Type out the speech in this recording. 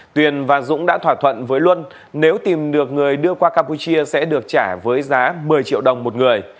tuyền và dũng đã thỏa thuận với luân nếu tìm được người đưa qua campuchia sẽ được trả với giá một mươi triệu đồng một người